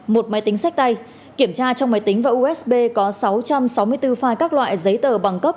một máy tính sách tay kiểm tra trong máy tính và usb có sáu trăm sáu mươi bốn file các loại giấy tờ bằng cấp